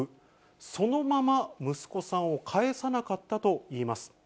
そのまま息子さんを帰さなかったといいます。